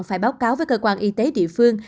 phải báo cáo với cơ quan y tế địa phương